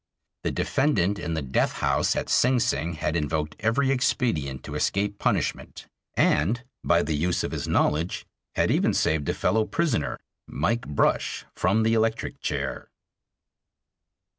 The defendant in the "Death House" at Sing Sing had invoked every expedient to escape punishment, and by the use of his knowledge had even saved a fellow prisoner, "Mike" Brush, from the electric chair.